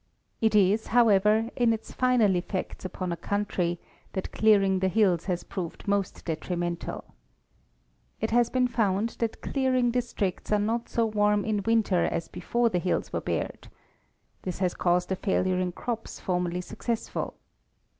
It is, however, in its final effects upon a country that clearing the hills has proved most detrimental. io6 It has been found that cleared districts are not so warm in winter as before the hills were bared. This has caused a failure in crops formerly suc cessful.